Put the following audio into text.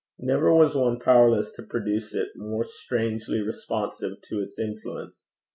Never was one powerless to produce it more strangely responsive to its influence.